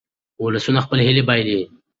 ولسونه خپلې هیلې بایلي.